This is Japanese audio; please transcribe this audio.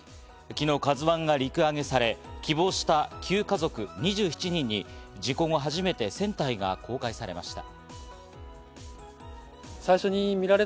昨日「ＫＡＺＵ１」が陸揚げされ、希望した９家族２７人に事故後、初めて船体が公開されました。